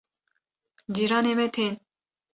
cîranê me tên